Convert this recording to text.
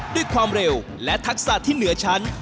ด้วยความเร็วและทักษะที่เหนือชั้น